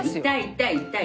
痛い痛い！